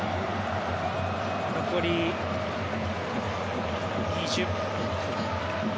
残り２０分。